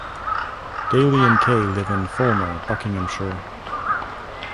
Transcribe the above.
Daly and Kay live in Fulmer, Buckinghamshire.